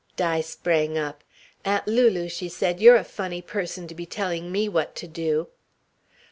Di sprang up. "Aunt Lulu," she said, "you're a funny person to be telling me what to do."